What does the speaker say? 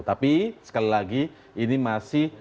tapi sekali lagi ini masih